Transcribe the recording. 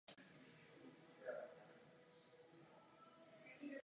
Pochází z alba Half Hour of Power.